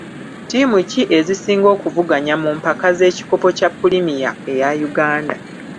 Ttiimu ki ezisinga okuvuganya mu mpaka z'ekikopo kya pulimiya eya Uganda?